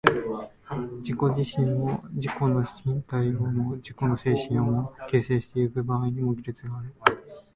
自己自身を、自己の身体をも自己の精神をも、形成してゆく場合にも、技術がある。